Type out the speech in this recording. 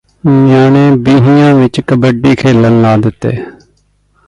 ਨਿਆਣੇ ਬੀਹੀਆਂ ਵਿਚ ਕਬੱਡੀ ਖੇਡਣ ਲਾ ਦਿੱਤੇ